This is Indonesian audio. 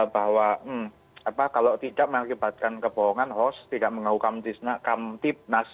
bahwa kalau tidak mengakibatkan kebohongan hos tidak mengukam tipnas